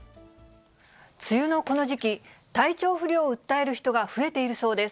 梅雨のこの時期、体調不良を訴える人が増えているそうです。